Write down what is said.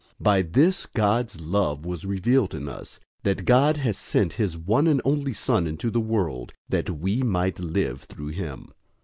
004:009 By this God's love was revealed in us, that God has sent his one and only Son into the world that we might live through him.